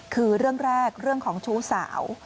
คือเรื่องแรกเรื่องของชู้สาว